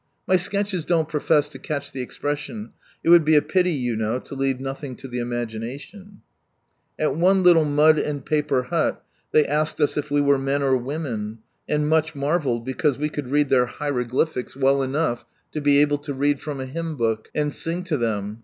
(My sketches don't profess to catch the expres sion, it would be a pity you know to leave nothing to the imagination.) At one little mud and paper hut they asked us if we were men or women, and much marvelled because we could read their hieroglyphics h Chtktt Bandiid tMto a BmkA. wcU cnough to be able to read from a hymn book, and With the Power of God behind it sing to them.